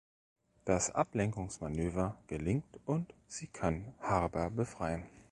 Das Ablenkungsmanöver gelingt und sie kann Harber befreien.